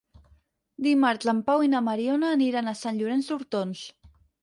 Dimarts en Pau i na Mariona aniran a Sant Llorenç d'Hortons.